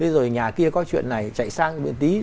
rồi nhà kia có chuyện này chạy sang miễn tí